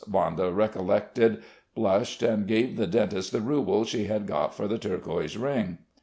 Vanda recollected, blushed and gave the dentist the rouble she had got for the turquoise ring.